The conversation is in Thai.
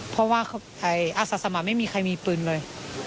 เพราะว่าอาศักดิ์สมัครไม่มีใครมีพื้นเลย